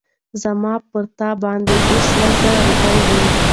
زما پر تا باندي اوس لس زره روپۍ دي